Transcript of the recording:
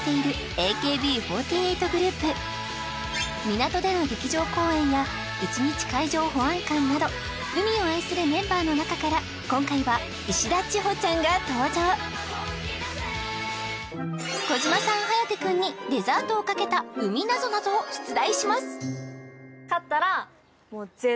港での劇場公演や一日海上保安官など海を愛するメンバーの中から今回は石田千穂ちゃんが登場児嶋さん颯くんにデザートをかけた海なぞなぞを出題します